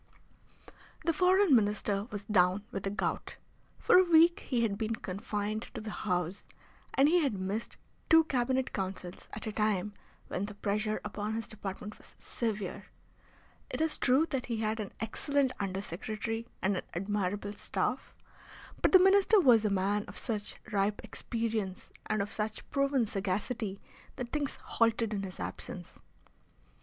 The Foreign Minister was down with the gout. For a week he had been confined to the house, and he had missed two Cabinet Councils at a time when the pressure upon his department was severe. It is true that he had an excellent undersecretary and an admirable staff, but the Minister was a man of such ripe experience and of such proven sagacity that things halted in his absence.